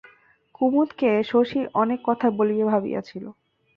কুমুদকে শশী অনেক কথা বলিবে ভাবিয়াছিল।